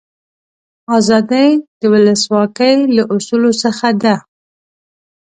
آزادي د ولسواکي له اصولو څخه ده.